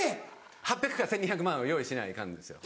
８００か１２００万を用意しないかんのですよ。